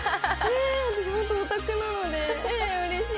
本当にオタクなのでうれしい。